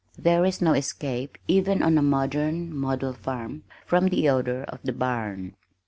There is no escape even on a modern "model farm" from the odor of the barn.